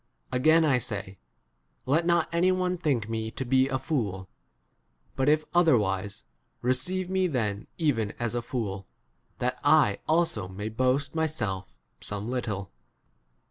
16 Again I say, Let not any one think me to be a fool; but if otherwise, receive me then even as a fool, that I also may boast 17 myself some little.